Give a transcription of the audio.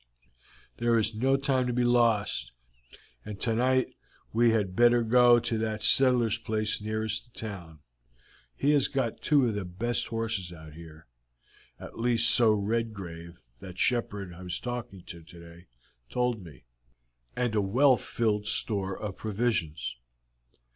"There is no time to be lost, and tonight we had better go to that settler's place nearest the town. He has got two of the best horses out here at least so Redgrave, that shepherd I was talking to today, told me and a well filled store of provisions.